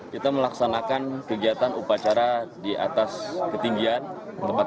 kita melaksanakan kegiatan upacara di atas bukit parama satwika gunung putri garut jawa barat